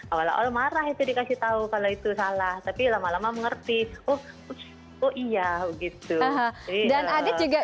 awal awal marah itu dikasih tahu kalau itu salah tapi lama lama mengerti oh oh iya gitu dan ada juga